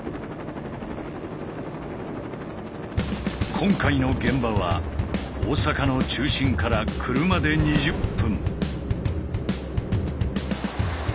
今回の現場は大阪の中心から車で２０分。